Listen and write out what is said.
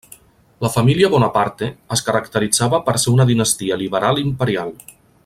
La família Bonaparte es caracteritzava per ser una dinastia liberal imperial.